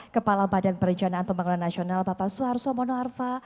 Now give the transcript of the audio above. kepala badan perencanaan pembangunan nasional bapak suharto mono arfa